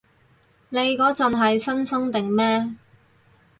你嗰陣係新生定咩？